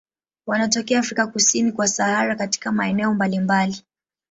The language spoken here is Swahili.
Wanatokea Afrika kusini kwa Sahara katika maeneo mbalimbali.